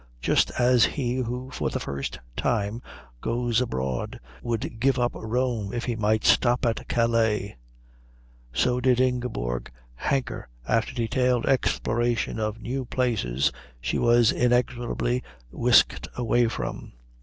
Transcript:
Just as he who for the first time goes abroad would give up Rome if he might stop at Calais, so did Ingeborg hanker after detailed exploration of new places she was inexorably whisked away from.